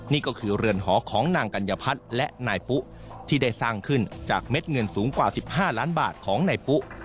นี่ก็คือเรือนหอของนางกัญญพัฒน์และนายปุ๊ที่ได้สร้างขึ้นจากเม็ดเงินสูงกว่า๑๕ล้านบาทของนายปุ๊